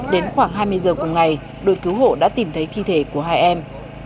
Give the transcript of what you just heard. đến khoảng hai mươi giờ cùng ngày đội cứu hộ đã tìm thấy thi thể của hai em